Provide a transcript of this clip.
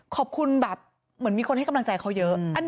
ขอบคุณแบบเหมือนมีคนให้กำลังใจเขาเยอะ